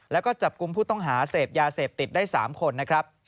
และก็จับกุมผู้ต้องหาเศษยาเสพติดได้๓คน